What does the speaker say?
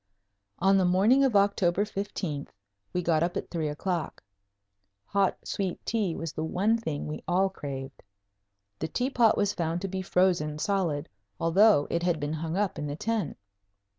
On the morning of October 15th we got up at three o'clock. Hot sweet tea was the one thing we all craved. The tea pot was found to be frozen solid, although it had been hung up in the tent.